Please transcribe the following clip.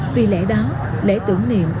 vì lẽ đó lễ tưởng niệm